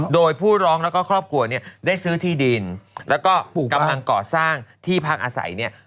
โดยผู้ร้องแล้วก็ครอบครัวเนี่ยได้ซื้อที่ดินแล้วก็กำลังก่อสร้างที่พักอาศัยเนี่ย